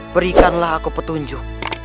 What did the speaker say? berikanlah aku petunjuk